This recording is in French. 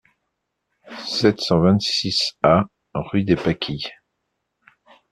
sept cent vingt-six A rue des Pâquis